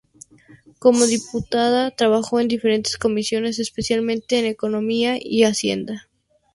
Como diputada trabajó en diferentes comisiones, especialmente en Economía y Hacienda.